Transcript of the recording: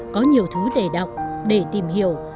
có nhiều thứ để đọc để tìm hiểu